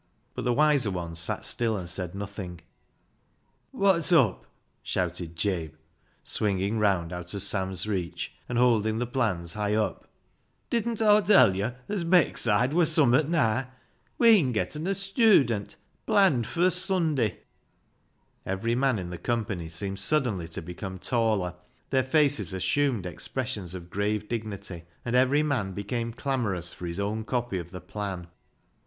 But the wiser ones sat still and said nothing. THE STUDENT 17 " Wot's up ?" shouted Jabe, swinging round out of Sam's reach, and holding the plans high up. " Didn't Aw tell yo' as Beckside wur summat naa ? We'en getten a sthudent planned fust Sunday." Every man in the company seemed suddenly to become taller, their faces assumed expres sions of grave dignity, and every man became clamorous for his own copy of the plan.